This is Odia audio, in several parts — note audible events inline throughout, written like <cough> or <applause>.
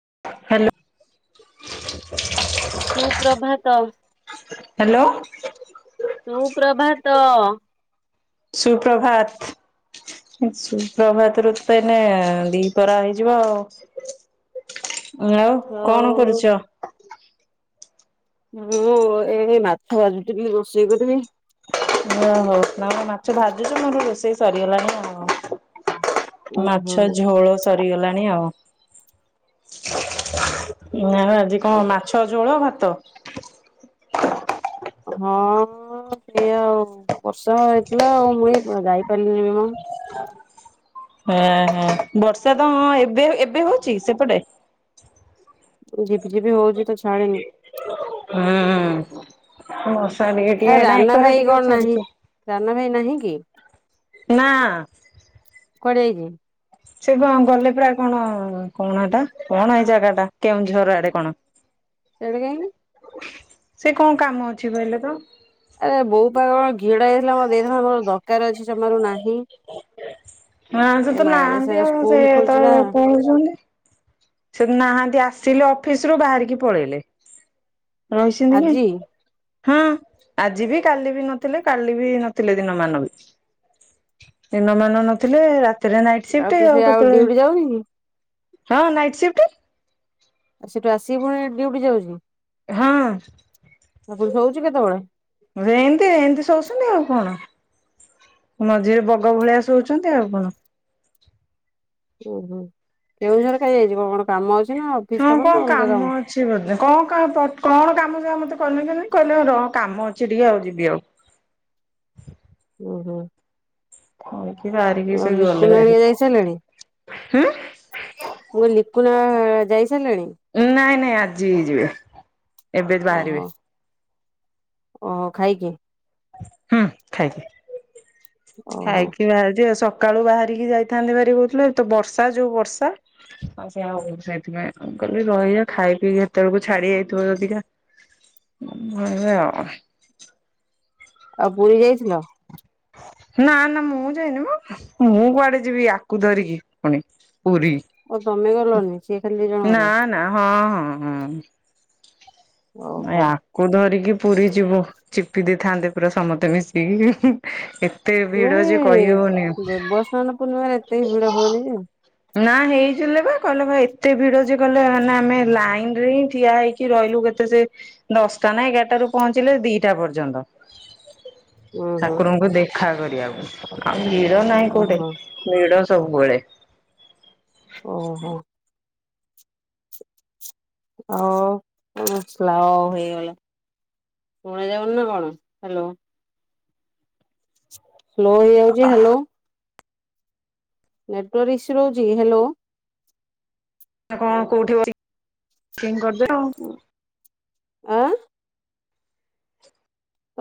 ହ୍ୟାଲୋ। ସୁପ୍ରଭାତ। ହ୍ୟାଲୋ। ତୁ ପ୍ରଭାତ। ସୁପ୍ରଭାତ। ସୁପ୍ରଭାତ ଋତୁ ଏନେ ଦି ପରା ହେଇଯିବ ଆଉ। ଆଉ କଣ ହଉ କରୁଛ? ଯୋଉ ଏ ମାଛ ଭାଜୁଛିଥିଲି ରୋଷେଇ କରିବି। ଓ ହଉ ନା ମାଛ ଭାଜୁଛୁ ମୋର ରୋଷେଇ ସରିଗଲାଣି ଆଉ ଉଁ । ମାଛ ହୁଁ ଝୋଳ ସରିଗଲାଣି ଆଉ ନା ଆଜି କଣ ମାଛ ଝୋଳ ଭାତ। ହଁ। ସେଇଆ ଆଉ ବର୍ଷା ହେଇଥିଲା ଆଉ ମୁଇ ଯାଇପାରିଲିନି ବି ମୁଁ। ହଁ ହଁ ବର୍ଷା ତ ହଁ ଏବେ ଏବେ ହଉଛି ସେପଟେ। ଜିିବି ଜିିବି ହଉଛି ତ ଛାଡେନି। ହୁଁ। ଟିକେ ଆ ଟିକେ ନା ରାନା ଏକରେ ଭାଇ ଟିକେ କଣ ନାହିଁ ଛାଡିଛି। ରାନା ଭାଇ ନାହିଁ କି? ନା। କୁଆଡେ ଯାଇଛି? ସେ କ ଗଲେ ପ୍ରାୟ କଣ କଣ ଏଟା କଣ ଏଇ ଜାଗା ଟା କେଉଁଝର ଆଡେ କଣ ସେଆଡେ଼ କାଇଁ ସେ କଣ କାମ ଅଛି କହିଲେ ତ? ଆରେ ବୋଉ ପାଖ କଣ ଘିଅଡ ହେଇଥିଲା ମ ଦେଇଥାନ୍ତା ମୋର ଦରକାର ଅଛି ଚମାରୁ ନାହିଁ। ହଁ ସେ ଏ ତ ମାଏରା ନାହାନ୍ତି ସାଏରା ଆଉ ସେ ସ୍କୁଲ ତ ଖୋଲିଛି ନା ପଳଉଛନ୍ତି। ସେ ନାହାନ୍ତି ଆସିଲେ ଅଫିସରୁୁ ବାହାରିକି ପଳେଇଲେ। ରହିଛନ୍ତି କାଇଁ? ଆଜି ହଁ ଆଜି ବି କାଲି ବି ନଥିଲେ କାଲି ବି ନଥିଲେ ଦିନ ମ ବି। ଦିନମାନ ନଥିଲେ ରାତିରେ ନାଇଟ ସିଫ୍ଟ ତୁ ହେଇ ସେ ଆଉ କେତେବେଳେ ଡ୍ୟୁଟି ଯାଉନି କି? ହଁ ନାଇଟ୍ ସିଫ୍ଟ। ଆଉ ସେଠୁ ଆସି ପୁଣି ଡଉଟି ଯାଉଛି ଆଉ ତୁ ଶୋଉଚୁ। ରହନ୍ତି ରହନ୍ତି ସଚନ୍ତିି ଆଉ କଣ? ମଝିରେ ବଗ ଭଳିଆ ଶୋଉଛନ୍ତି ଆଉ କଣ। ଓହୋ କେଉଁଝର ଖା ଯାଇଛି କଣ କଣ କାମ ଅଛି। ନା ଅଫିସ ହଁ ନା କଣ ଅଲଗା କାମ ଅଛି ବୋଧେ କଣ କ କଣ କାମ ଅ ଆମ। କନୁ କି କହିଲେ ର କାମ ଅଛି ଟିକେ ଆଉ ଯିବି ଆଉ ଉଁ ହୁଁ। ଏଇଠୁ ବାହାରିକି ଆଉ ସେଇ ଗଲେ ଲିକୁନା ଭାରି ହେରିକା ଯାଇ ସାରିଲେଣି? ହୁଁ ମୁଁ କହିଲି ଲିକୁନା ଯାଇ ସାରିଲେଣି? ନାଇଁ ନାଇଁ ଆଜି ହେଇଯିବେ। ଏବେ ବାହାରିବେ। ଓ ଖାଇକି ହୁଁ ଖାଇକି ଓହୋ ଖାଇକି ବାହାରିଯିବା ସ ସକାଳୁ ବାହାରିକି ଯାଇଥାନ୍ତି ଭାରି କହୁଥିଲେ ତ ବର୍ଷା ଯୋଉ ବର୍ଷା। ଆଉ ସେଆ ହଉ ସେଇଥିପାଇଁ କହିଲି ରହିବା ଖାଇ ପିଇକି କେତେବେଳକୁ ଛାଡି ଯାଇଥିବ ଯଦିକା ଏଇଆ ଆଉ ଆଉ ପୁରୀ ଯାଇଥିଲ? ନା ନା ମୁଁ ଯାଇନି ମୁ ମୁଁ କୁଆଡେ ଯିବି ଆକୁ ଧରିକି ପୁଣି ପୁରୀ ଓ ତମେ ଗଲନି ସିଏ ଖାଲି ଦି ଜଣ ନା ଗଲେ ନା ହଁ ହଁ ହଁ। ଓହୋ ଆକୁ ଧରିକି ପୁରୀ ଯିବ ଚିପି ଦେଇଥାନ୍ତେ ପୁରା ସମସ୍ତେ ମିଶିକି ଏତେ ଭିଡ ଯେ ଏଇ କହିହେଉନାହିଁ ଦେବସ୍ନାନ ପୂର୍ଣ୍ଣିମାରେ ଏତେ ଭିଡ ହୁଏନି ଯେ ନା ହେଇଥିଲେ ବା କହିଲ ବା ଏତେ ଭିଡ ଯେ କହିଲ ମାନେ ଆମେ ଲାଇନ ରେ ହିଁ ଠିଆ ହେଇଛି ରହିଲୁ କେତେ ସେ ଦଶଟା ନା ଏଗାରଟା ରାରୁ ପହଞ୍ଚିଲେ ଦିଟା ପର୍ଯ୍ୟନ୍ତ ଉଁ ହୁଁ ଠାକୁରଙ୍କୁ ଦେଖା କରିବାକୁ ଆଉ ଭିଡ ନାହିଁ କୋଉଠି ଓହୋ ଭିଡ ସବୁବେଳେ ଓ ହୋ। ସ୍ଲୋ ହେଇଗଲା ଶୁଣା ଯାଉନି ନା କଣ ହେଲୋ? ସ୍ଲୋ ହେଇଯାଉଛି ହ୍ୟାଲୋ? ନେଟୱର୍କ ଈସୁ ରହୁଛି ହାଲୋ? କଣ କୋଉଠି କରିଦେବ ଆଉ। ଆ!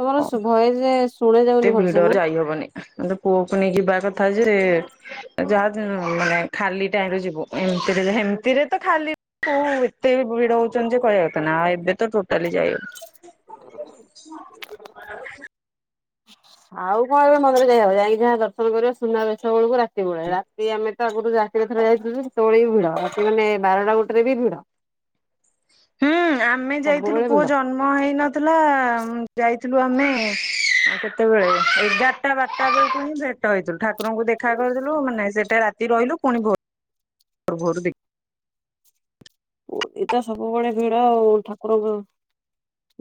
ତମର ଭୟସ ଶୁଭାଯାଉନାହିଁ ଭଲସେ? ଆ ପୁଅକୁ ନେଇ ଯିବା କଥା ଯେ ଯାହା ମାନେ ଖାଲି ଟାଇମ ରେ ଯିବ ସେମତିରେ ତ ଖାଲିଉ ଏତେ ଭିଡ ହଉଛନ୍ତି ଯେ କହିବା କଥା ନାଇଁ ଏବେ ତ ଟୋଟାଲଲି ଯାଇହେବନି <inaudible> ଆଉ କଣ ଏବେ ମନ୍ଦିର ଯାଇ ହବ ଯାଇକି ଯାହା ଦର୍ଶନ କରିବ ସୁନାବେଶ ବେଳକୁ ରାତି ବେଳେ ରାତି ଆମେ ଆଗରୁ ରାତିରେଥର ଯାଇଥିଲ ସେୁବେଳେ ବି ଭିଡ ଅ ମାନେ ବାରଟା ଗୋଟେରେ ବି ଭିଡ ହୁଁ ଆମେ ଯାଇଥିଲୁ ସବୁବେଳେ ପୁଅ ଭିଡ। ଜନ୍ମ ହେଇନଥିଲା ଯାଇ ଥିଲ ଆମେ କେତେବେଳେ ଏଗାରଟା ବାରଟା ବେଳକୁ ହିଁ ଭେଟ ହେଇଥିଲୁ ଠାକୁରଙ୍କୁ ଦେଖା କରିଥିଲୁ ମାନେ ସେଟା ରାତି ରହିଲୁ ପୁଣି ଭୋରୁ ଏଇଟ ସବୁବେଳେ ଭିଡ ଆଉ ଠାକୁରଙ୍କ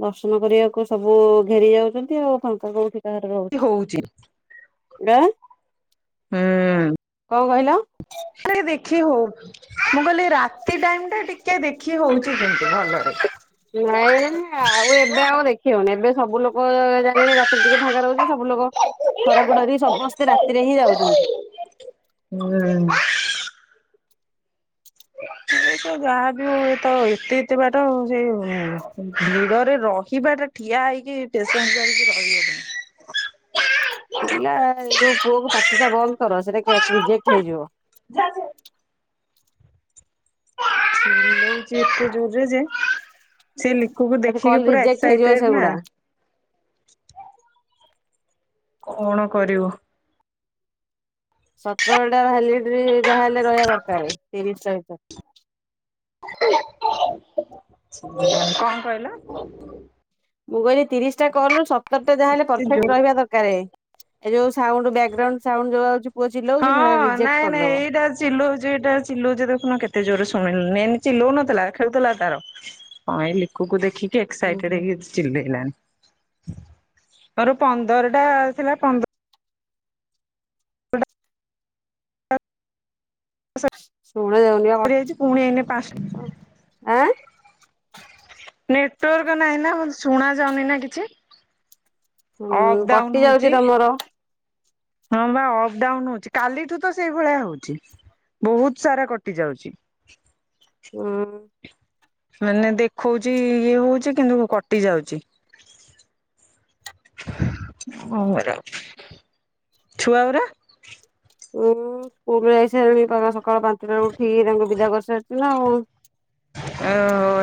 ଦର୍ଶନ କରିବାକୁ ସବୁ ଘେରି ଯାଉଛନ୍ତି ଆଉ ଫାଙ୍କା କେଉଁଠି କର ର ଦେଖି ହଉଛି ଆ ହୁଁ ସେ ଦେଖି ହଉ ମୁଁକହିଲି ସେଇ ଟାଇମଟିକେ ଦେଖି ହଉଛି ଭଲରେ ନାଇଁ ନାଇ ଆଉ ଏବେ ଆଉ ଦେଖି ହଉନି ଏବେ ଖାଲି ରାତିରେ ଟିକେ ଫାଙ୍କା ରହୁଛି ସବୁ ଲୋକ ହୁଁ। ଖରା କୁ ଡରି ସମସ୍ତେ ରାତିରେ ହିଁ ଯାଉଛନ୍ତି। ହୁଁ। <inaudible> ତ ଯାହା ହେଉ ଏତେ ଏତେ ବାଟ ସେଇ ଭିଡରେ ରହିବାଟାକ ଠିଆ ହେଇକି ପେସେନସ ଧରିକି ରହି ହେବ ନାହିଁ। ପିଲା ଯୋଉ ପୁଅ କ ପାଟି ଟା ବନ୍ଦ କର ସେଟା ରିଜେକ୍ଟ ହେଇଯିବ। ଆସେ ଚିଲାଉଚି ଏତେ ଜୋର ଯେ ସେ ଲକୁକୁ ଆରେ ଦେଖିକି କଲ୍ ପୁରା ରିଜେକ୍ଟ ହେଇଯିବ ଏକ୍ସାଇଟେଡ ନା ସେଗୁଡା। କଣ କରିବୁ? ସତରଟା ଭେଲିଡିଟି ଯାହାହେଲେ ରହିବା ଦରକାର ତିରିଶହ ଭିତରେ କଣ କହିଲ? ମୁଁ କହିଲି ତିରିଶ ଟା କଲୁ ସତରଟା ଯାହାହଲେ ଏତେ ପରଫେକ୍ଟ ଜୋର ରହିବା ଦରକାର ଏ ଯୋଉ ବ୍ରେଗ ରାଉଣ୍ଡ ସାଉଣ୍ଡ ଯାହା ଅସୁଛି ହଁ ରେଜେକଟ ନାଇଁ କରି ନାଇଁ ଦେବ ଏଇଟା ଚିଲଉଛି ଏଇଟା ଚିଲଉଛି କେତେ ଜୋରରେ ଶୁଣିଲୁ ଏ ଲୋ ନଥିଲା ଖେଉଥିଲା ତାର କଣ ଏ ଲିଖକୁ ଦେଖିକି ହୁଁ ଏକସାଇଟେଡ଼ ହୁଁ ହେଇ ଚିଲେଇ ଲାଣି ମୋର ପନ୍ଦର ଟା ଥିଲା ପନ୍ଦର ଶୁଣା ଯାଇଛି ପୁଣି ଏଇନେ ପାଞ୍ଚ ଯାଉନାହିଁ ନେଟୱାର୍କ ନାହିଁ ନା ଶୁଣା ଯାଉନି ନା କିଛି। ଅଫ୍ ହୁଁ ଡାଉନ୍ କଟି ଯାଉଛି ହଉଛି। ତମର ହଁ ବା ଅପ୍ ଡାଉନ୍ ହଉଛି। କାଲିଠୁ ତ ସେଇଭଳିଆ ହଉଛି। ବହୁତ ସାରା କଟି ଯାଉଛି। ଉଁ। ମାନେ ଦେଖଉଛି ଇଏ ହଉଛି କିନ୍ତୁ କଟି ଯାଉଛି। <unintelligible> ଛୁଆ ଉରା। ଉୁଁ ସ୍କୁଲ ଯାଇସାରିଲେଣି ତମ ସକାଳ ପାଞ୍ଚଟାରୁ ଉଠିକି ତାଙ୍କୁ ବିଦା କରିସାରିଛି ନା ଆଉ। ଓ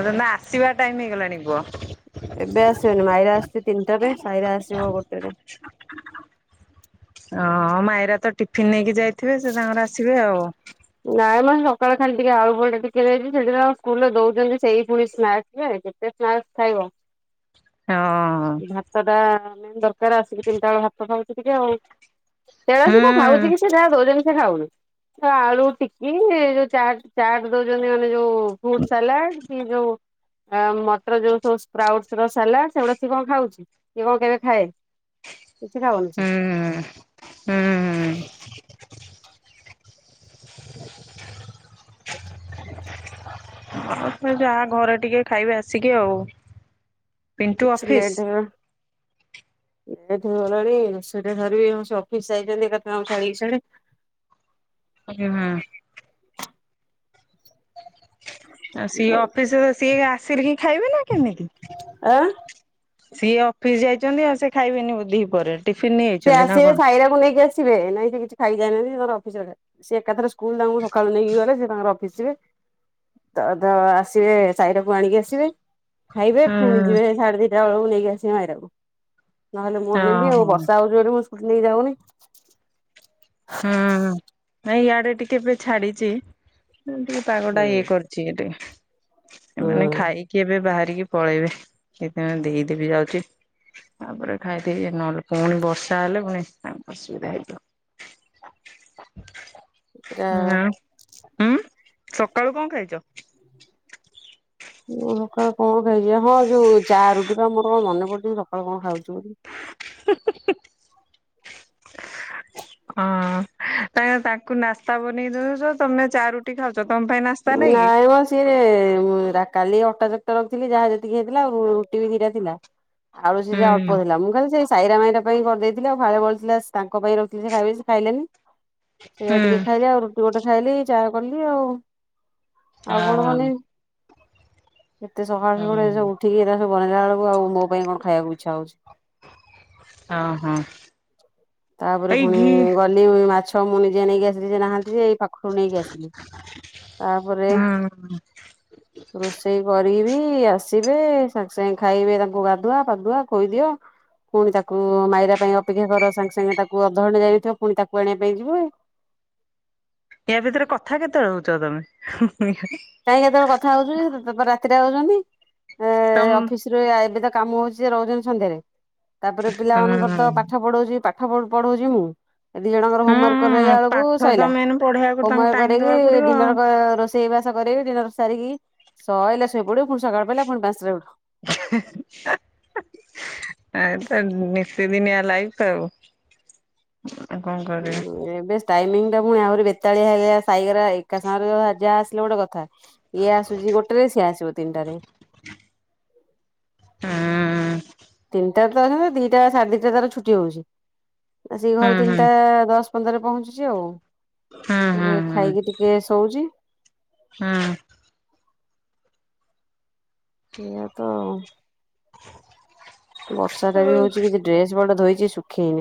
ନନା ଆସିବା ଟାଇମ୍ ହେଇଗଲାଣି ପୁହ। ଏବେ ଆସିବେନି ମାଇରା ଆସୁଛି ତିନିଟାରେ। ସାଇରା ଆସିବ ଗୋଟେରେ। ହ ମାଇରା ତ ଟିଫିିନ୍ ନେଇକି ଯାଇଥିବେ ସେ ତାଙ୍କର ଆସିବେ ଆଉ। ନାଇଁ ମ ସକାଳେ ଖାଲି ଟିକେ ଆଳୁ ପରଟା ଟିକେ ଦେଇଛି। ସେଠିିବା ସ୍କୁଲରେ ଦଉଛନ୍ତି ସେଇ ପୁଣି ସ୍ନାକ୍ସ ରେ। କେତେ ସ୍ନାସ୍‌ ଖାଇବ। <inaudible> ହଁ ଭାତ ଟା ମେନ୍‌ ଦରକାର। ଆସିକି ତିନିଟା ବେଳ ଭାତ ଖାଉଚି ଟିକେ ଆଉ। ହୁଁ ତେରାସ କ ଖାଉଛି ସେ ଯାହା ଦଉଛନ୍ତି ସେ ଖାଉନି। ଆଳୁ ଶି ଯୋଉ ଚାଟ ଚାଟ୍ ଦଉଛନ୍ତି ମାନେ ଯୋଉ ଫୁଟ ସାଲାଡ କି ଯୋଉ ଆ ମଟର ଯୋଉ ସବୁ ସ୍କ୍ରାଉଟ ସାଲାଡ ସେଗୁଡା ସିଏ କଣ ଖାଉଛି। ସିଏ କଣ କେବେ ଖାଏ। <inaudible> କିଛି ଖାଉନି ସେ। ହୁଁ ହୁଁ। <inaudible> <inaudible> ଯାହା ଘରେ ଟିକେ ଖାଇବେ ଆସିକି ଆଉ। ପିଣ୍ଟୁ କିଛି ଅଫିସ ଲେଟ୍ ହେବା। ଏଠୁ ଗଲେଣି ରୋଷେଇଟା ସାରିବ୍ ସେ ଅଫିସ୍ ଯାଇଛନ୍ତି ଏକାଥରେ ତାଙ୍କୁ ଛଡିକି ସିଆଡେ। ହୁଁ ହୁଁ। ଆଉ ସିଏ ଅଫିସରୁ ସିଏ ଆସିଲେ ହିଁ ଖାଇବେ ନା କେମିତି। ଆଁ। ସିଏ ଅଫିସ ଯାଇଛନ୍ତି ଆଉ ସେ ଖାଇବେନି ଦିହି ପହରେ। ସିଏ ଆସିବେ ସାଇରାକୁ ନେଇକି ଆସିବେ। ନାଇଁ ତ କିଛି ଖାଇ ଯାଇନାହାନ୍ତି ତାଙ୍କର ଅଫିସ ରେ ସିଏ ଏକାଥରେ ସ୍କୁଲ ତାଙ୍କୁ ସକାଳୁ ନେଇକି ଗଲେ ତାଙ୍କର ଅଫିସ ଯିବେ। ତ ତ ଆସିବେ ସାଇରାକୁ ଆଣିକି ଆସିବେ। ଖାଇବେ ପୁଣି ହୁଁ ଯିବେ ସାଢେ ଦିଟା ବେଳକୁ ନେଇକି ଆସିବେ ମାଇରାକୁ। ନହେଲେ ମୁଁ ଆଣିବି ଆଉ। ଓହୋ ବସ୍ ମୁଁ ସ୍କୁଟି ନେଇକି ଯାଉନି। ହୁଁ ନାଇଁ ଇଆଡେ ଟିକେ ଏବେ ଛାଡିଛି। ଟିକେ ପାଗଟା ଇଏ କରିଛି। ଏବେ ମାନେ ଖାଇକି ଏବେ ବାହାର୍ଭି କି ପଳେଇବେ ସେଇଥି ପାଇଁ ଦେଇଦେବି ଯାଉଛି। ତାପରେ ଖାଇଦେଇ ନହେଲେ ପୁଣି ବର୍ଷା ହେଲେ ପୁଣି ଅସୁବିଧା ହେଇଯିବ। ରା ହୁଁ ଉଁ ସକାଳୁ କଣ ଖାଇଛ? ମୁଁ ସକାଳୁ କଣ ଖାଇଛି ହଁ ଯୋଉ ଚା ରୁଟି ପା ମୋର କଣ ମନେ ପଡୁଛି। ମୁଁ ସକାଳୁ କଣ ଖାଉଛି ବୋଲି। <inaudible> ହଁ କାଇଁ ନା ତାଙ୍କୁ ନାସ୍ତା ବନେଇ ଦଉଛ ତମେ ଚା ରୁଟି ଖାଉଛ। ତମ ପାଇଁ ନାସ୍ତା କି? ନାଇଁ ମ ସିଏ ଉ କାଲି ଅଟା ଚାରିଟା ରଖିଥିଲି ଯାହା ଯେତିକି ହେଇଥିଲା ଆଉ ରୁଟି ବି ଦିଟା ଥିଲା। ଆଳୁ ସିଜା ହୁଁ ଅଳ୍ପ ଥିଲା। ମୁଁ ଖାଲି ସେ ସାଇରା ମାଇରା ପାଇଁ କରିଦେଇଥିଳି। ଆଉ ଫାଳେ ବଳିଥିଲା ତାଙ୍କ ପାଇଁ ରଖିଥିଲି ସେ ଖାଇବେ ସେ ଖାଇଲେନି। ସେଇଆ ଟିକେ ଖାଇଲି। ଆଉ ରୁଟି ଗୋଟେ ଖାଇଲି ଚା କଲି ଆଉ। ଆଉ କଣ ହଁ ବନେଇବି। ଏତେ ସକାଳୁ ସକାଳୁ ଏ ହୁଁ ସବୁ ଉଠିକି ଏଉରା ସବୁ ବନେଇଲା ବେଳକୁ ଆଉ ମୋ ପାଇଁ କଣ ଖାଇବାକୁ ଇଚ୍ଛା ହଉଛି। ହିଁ ହଁ। ତାପରେ ଏଇ ପୁଣି ଘି ଗଲି ମାଛ ମୁଁ ନିଜେ ନେଇକି ଆସିଲି ସେ ନାହାନ୍ତି ସେ। ଖୁଣେଇକି ଆସିଲି ତାପରେ ହୁଁ ରୋଷେଇ କରିବି ଏଇ ଆସିବେ ସାଙ୍ଗେ ସାଙ୍ଗେ ଖାଇବେ ତାଙ୍କୁ ଗାଧୁଆ ପାଧୁଆ ଖୋଇଦିଅ। ପୁଣି ତାକୁ ମାଇରା ପାଇଁ ଅପେକ୍ଷା କର ସାଙ୍ଗେ ସାଙ୍ଗେ ତାକୁ ଅଧଘଣ୍ଟା ଯାଇନଥିବ ପୁଣି ତାକୁ ଆଣିବା ପାଇଁ ଯିବୁ। ୟା ଭିତରେ କଥା କେତେବେଳେ ହୋଉଚ ତମେ ହୁଁ। କାଇଁ କେତେବେଳେ କଥା ହଉଥିଲି ତାପରେ ରାତିରେ ଆଉଚନ୍ତି ଏ ତମ ଅଫିସରେ କାମ ହଉଚି ସିଏ ରହୁଚନ୍ତି ସନ୍ଧ୍ୟାରେ ତାପରେ ହୁଁ ପିଲାମାନଙ୍କର ତ ପାଠ ପଢଉଛି ପାଠ ପ ପଢଉଚି ମୁଁ। ଦି ଜଣଙ୍କର ହୋମୱାର୍କ କରାଇଲା ହୁଁ ଏଳକୁ ଉ ପାଠ ସଇଲା ତ ମେନ୍ ପଢେଇବାକୁ ତାଙ୍କୁ ହୋମୱାର୍କ ଟାଇମ ଦବାକୁ କରେଇକି ପଡିବ ଡିନର ଆଉ। କ ରୋଷେଇ ବାସ କରେଇବି ଡିିନର ସାରିକି ସଇଲା ଶୋଇପଡିବୁ। ସକାଳେ ପାହିଲା ଫୁଣି ପାଞ୍ଚଟା ରେ ଉଠ। ଏତ ନିତିଦିନିଆ ଲାଇଫ ଆଉ। ଆଉ କଣ କରିବା। ଉଁ ଉଁ ଏବେ ଟାଇମିଙ୍ଗ ଏ ପୁଣି ଆହୁରି ବେତାଳିଆ ହେଇଲା ସାଇଗରା ଏକା ସାଙ୍ଗରେ ଯାହା ଆସିଲେ ଗୋଟେ କଥା। ଇଏ ଆସୁଛି ଗୋଟେ ରେ ସିଏ ଆସିବ ତିନିଟାରେ। ହୁଁ। ଦିଟା ତ ନୁହେଁ ଦିଟା ସାଢେ ଦିଟାରେ ତାର ଛୁଟି ହଉଛି ଆସିକି ହୁଁ ଘରେ ହୁଁ ତିନଟା ଦଶ ପନ୍ଦରେ ପହଞ୍ଚୁଚି ଆଉ ହୁଁ ହୁଁ ଏ ଖାଇକି ଟିକେ ଶଉଚି। ହଁ। ଏଇଆ ତ ଆଉ। ବର୍ଷାଟା ହୁଁ ବି ହଉଚି କିଛି ଡ୍ରେସ ପଟା ଧୋଇଛି ଶୁଖେଇ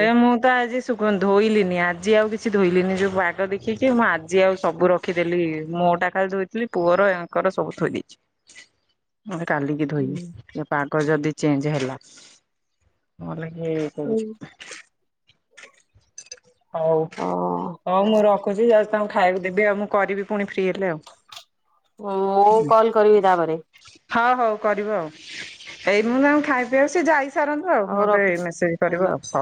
ଏଆ ମୁଁ ତ ଆଜି ଶୁଗ ଧୋଇଲିନି ଆଜି ଆଉ କିଛି ଧୋଇଲିନି। ଯଉ ପାଗ ଦେଖିକି ମୁଁ ଆଜି ଆଉ ସବୁ ରଖିଦଥିଲି ମୁଁଟା ଖାଲି ଧୋଇଥିଲି ପୁଅର ଏଙ୍କର ସବୁ ଥୋଇଦେଇଥିଲି। ପୁଣି କାଲିକି ଧୋଇବି ଏ ପାଗ ଯଦି ଚେଞ୍ଜ ହେଲା ନଲେ ଏ ହୁଁ। କରୁଛି। ହଉ ହଉ ମୁଁ ଖୁଛି ଯାଉ ତାଙ୍କୁ ଖାଇବାକୁ ଦେବି ଆଉ ମୁଁ କରିବି ପୁଣି ଫ୍ରି ହେଲେ ଆଉ। ମୁଁ କଲ୍ କରିବି ତାପରେ ହଁ। କରିବ ଆଉ ଏଇ ମୁଁ ମା ଆଙ୍କୁ ଖାଇ ପିଇକୁ ସି ଯାଇସାରନ୍ତୁ ଆଉ ହଉ ମତେ ରଖୁଛି। ମେସେଜ କରିବ ଆଉ ହଉ।